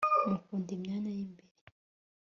mukunda imyanya y'imbere